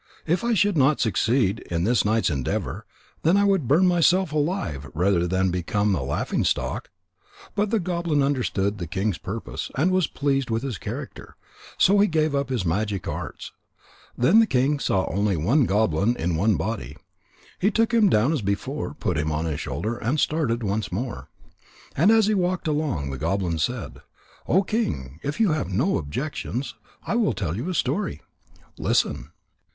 If I should not succeed in this night's endeavour, then I would burn myself alive rather than become a laughing stock." But the goblin understood the king's purpose, and was pleased with his character. So he gave up his magic arts. Then the king saw only one goblin in one body. He took him down as before, put him on his shoulder, and started once more. And as he walked along, the goblin said: "O King, if you have no objections, I will tell you a story. Listen."